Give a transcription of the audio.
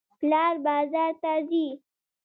پلار بازار ته ځي.